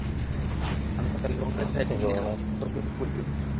আমরা তাকে long-range rifle দিয়ে অতর্কিতে গুলি করব!